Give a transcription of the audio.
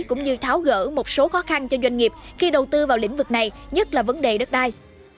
cũng như tháo gỡ một số khó khăn cho doanh nghiệp khi đầu tư vào lĩnh vực này nhất là vấn đề đất đai